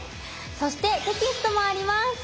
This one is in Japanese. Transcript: そしてテキストもあります。